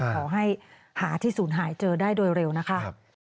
ขอให้หาที่ศูนย์หายเจอได้โดยเร็วนะคะ